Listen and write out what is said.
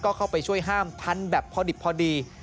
ก็เข้าไปช่วยห้ามทันแบบพอดิบพอดี